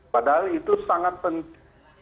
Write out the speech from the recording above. padahal itu sangat penting